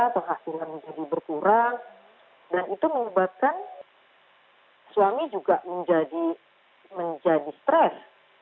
penghasilan menjadi berkurang dan itu menyebabkan suami juga menjadi stres